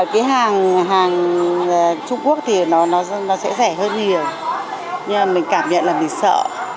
cái hàng trung quốc thì nó sẽ rẻ hơn nhiều nhưng mà mình cảm nhận là mình sợ